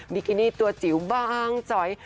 ิกินี่ตัวจิ๋วบางจอย